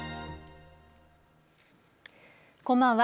こんばんは。